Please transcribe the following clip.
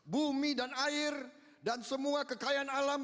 bumi dan air dan semua kekayaan alam